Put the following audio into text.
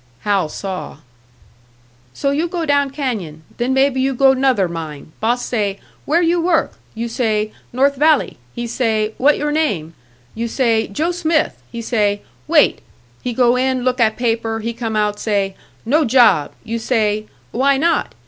Hal saw. "So you go down canyon. Then maybe you go 'nother mine. Boss say, 'Where you work?' You say 'North Valley.' He say, 'What your name?' You say, 'Joe Smith.' He say, 'Wait.' He go in, look at paper; he come out, say, 'No job!' You say, 'Why not?'